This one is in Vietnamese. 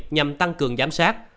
và tăng cường giám sát